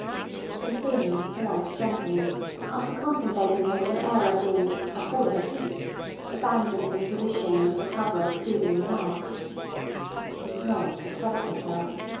The thin and polite gentleman, after contemplating her with an air of being "struck all of a heap," abandoned his position under the cover of soothing remarks. She must not distress herself.